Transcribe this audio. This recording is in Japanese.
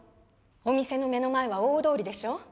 お店の目の前は大通りでしょ。